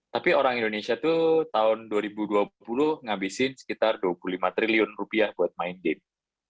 tapi orang indonesia itu tahun dua ribu dua puluh ngabisin sekitar dua puluh lima triliun rupiah buat main game